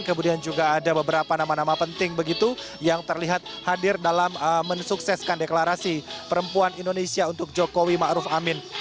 kemudian juga ada beberapa nama nama penting begitu yang terlihat hadir dalam mensukseskan deklarasi perempuan indonesia untuk jokowi ⁇ maruf ⁇ amin